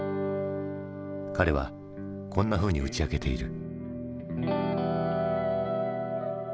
彼はこんなふうに打ち明けている。